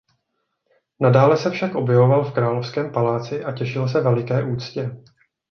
Nadále se však objevoval v královském paláci a těšil se veliké úctě.